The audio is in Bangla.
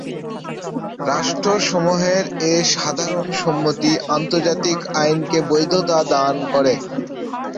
রাষ্ট্রসমূহের এ সাধারণ সম্মতি আন্তর্জাতিক আইনকে বৈধতা দান করে।